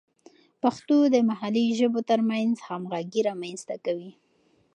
پښتو د محلي ژبو ترمنځ همغږي رامینځته کوي.